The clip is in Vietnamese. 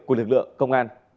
của lực lượng công an